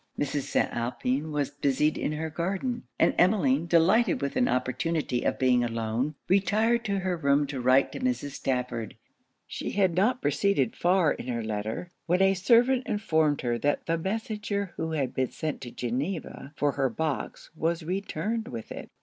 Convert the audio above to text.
Mrs. St. Alpin was busied in her garden; and Emmeline, delighted with an opportunity of being alone, retired to her room to write to Mrs. Stafford. She had not proceeded far in her letter, when a servant informed her that the messenger who had been sent to Geneva for her box was returned with it.